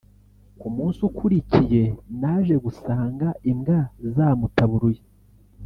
ku munsi ukurikiye naje gusanga imbwa zamutaburuye